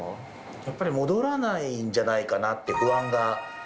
やっぱり戻らないんじゃないかなっていう不安が。